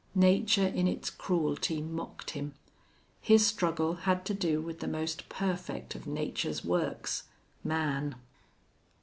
Nature in its cruelty mocked him. His struggle had to do with the most perfect of nature's works man.